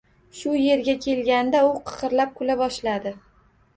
Shu yerga kelganida u qiqirlab kula boshladi…